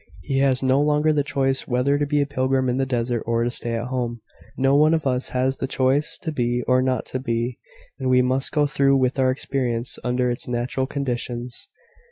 He has no longer the choice whether to be a pilgrim in the desert or to stay at home. No one of us has the choice to be or not to be; and we must go through with our experience, under its natural conditions."